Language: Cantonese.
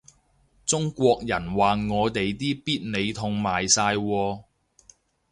中國人話我哋啲必理痛賣晒喎